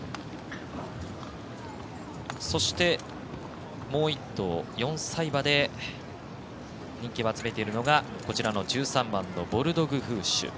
そして、もう１頭４歳馬で人気を集めているのが１３番ボルドグフーシュ。